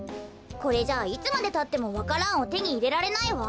これじゃいつまでたってもわか蘭をてにいれられないわ。